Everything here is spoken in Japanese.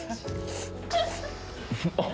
あっ！